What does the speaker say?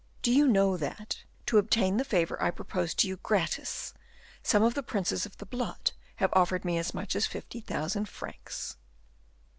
Do you know that, to obtain the favor I propose to you gratis, some of the princes of the blood have offered me as much as fifty thousand francs."